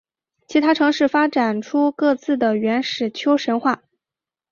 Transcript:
其他城市发展出各自的原始丘神话。